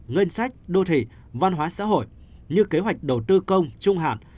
ngân sách đô thị văn hóa xã hội như kế hoạch đầu tư công trung hạn